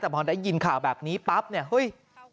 แต่พอได้ยินข่าวแบบนี้ปั๊บเนี่ยเฮ้ย